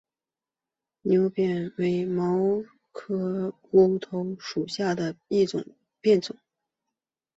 牛扁为毛茛科乌头属下的一个变种。